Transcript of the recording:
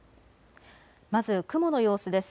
まず雲の様子です。